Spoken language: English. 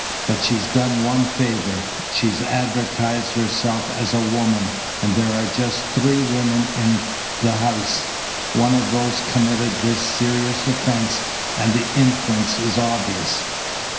But she's done one favour. She's advertised herself as a woman, and there are just three women in the house. One of those committed this serious offence, and the inference is obvious."